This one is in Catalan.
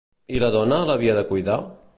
I la dona l'havia de cuidar?